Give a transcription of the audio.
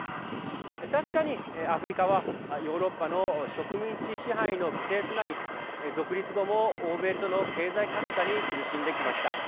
確かにアフリカはヨーロッパの植民地支配の犠牲となり独立後も欧米との経済格差に苦しんできました。